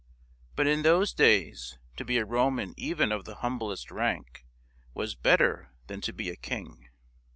But in those days to be a Roman even of the humblest rank was better than to be a king.